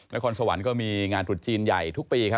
นครสวรรค์ก็มีงานตรุษจีนใหญ่ทุกปีครับ